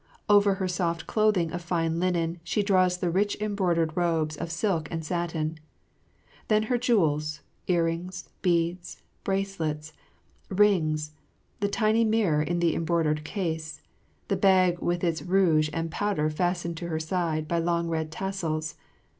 Over her soft clothing of fine linen she draws the rich embroidered robes of silk and satin. Then her jewels, earrings, beads, bracelets, rings, the tiny mirror in the embroidered case, the bag with its rouge and powder fastened to her side by long red tassels.